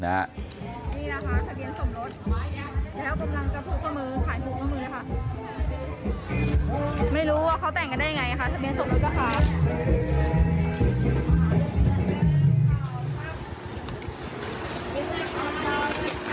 ทะเบียนสมรสแล้วกำลังจะขายผูกประมือนะคะไม่รู้ว่าเขาแต่งกันได้ยังไงนะคะทะเบียนสมรสย่ะค่ะ